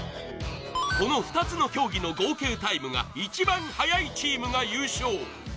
この２つの競技の合計タイムが一番速いチームが優勝。